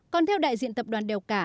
còn theo đại diện tập đoàn đèo cả